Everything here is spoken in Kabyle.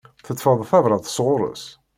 Teṭṭfeḍ-d tabrat sɣur-s?